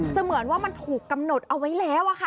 เหมือนว่ามันถูกกำหนดเอาไว้แล้วค่ะ